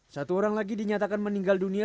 satu orang lagi dinyatakan meninggal dunia